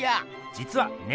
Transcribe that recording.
じつはね